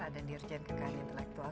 ada dirjen kekal interaktual